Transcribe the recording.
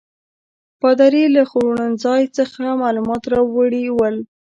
پادري له خوړنځای څخه معلومات راوړي ول.